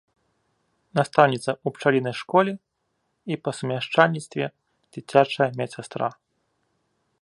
Настаўніца ў пчалінай школе і па сумяшчальніцтве дзіцячая медсястра.